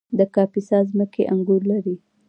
د کاپیسا ځمکې انګور لري